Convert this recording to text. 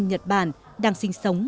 và những người dân nhật bản đang sinh sống